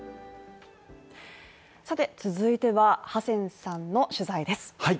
さて、続いては、ハセンさんの取材です。